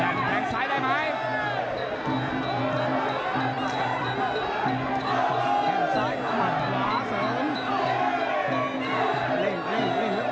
แหลงซ้ายผ่านขวาเสริม